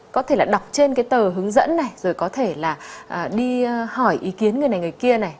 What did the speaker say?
có thể là đọc trên cái tờ hướng dẫn này rồi có thể là đi hỏi ý kiến người này người kia này